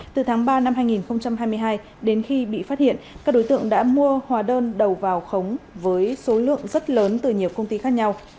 từ tháng ba năm hai nghìn hai mươi hai đến khi bị phát hiện các đối tượng đã mua hóa đơn đầu vào khống với số lượng rất lớn từ nhiều công ty khác nhau